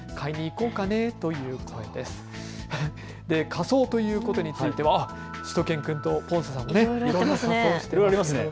仮装ということについてはしゅと犬くんとポンセさんもいろんな仮装をしています。